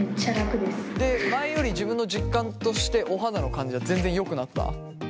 前より自分の実感としてお肌の感じが全然よくなった？